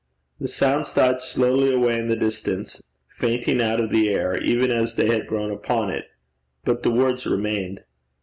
The sounds died slowly away in the distance, fainting out of the air, even as they had grown upon it, but the words remained.